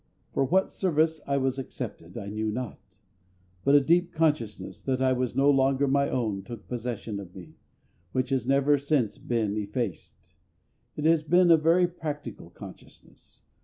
For what service I was accepted I knew not; but a deep consciousness that I was no longer my own took possession of me, which has never since been effaced. It has been a very practical consciousness.